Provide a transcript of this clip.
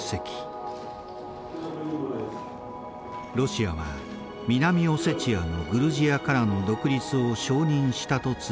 ロシアは南オセチアのグルジアからの独立を承認したと通告。